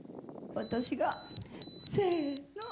私がせの！